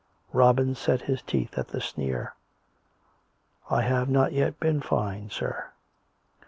Robin set his teeth at the sneer. " I have not yet been fined, sir."